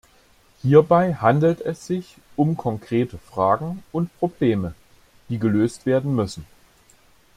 Hierbei handelt es sich um konkrete Fragen und Probleme, die gelöst werden müssen.